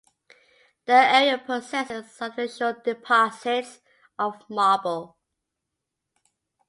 The area possesses substantial deposits of marble.